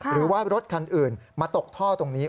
หรือว่ารถคันอื่นมาตกท่อตรงนี้